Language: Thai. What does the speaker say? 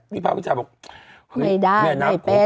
มีภาพวิจัยบอกไม่ได้ไม่เป็น